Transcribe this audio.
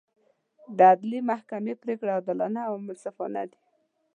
د عدلي محکمې پرېکړې عادلانه او منصفانه دي.